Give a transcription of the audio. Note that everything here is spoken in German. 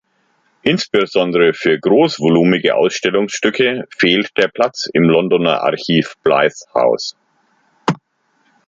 Insbesondere für großvolumige Ausstellungsstücke fehlt der Platz im Londoner Archiv "Blythe House".